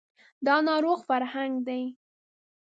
دا ناروغ فرهنګ دی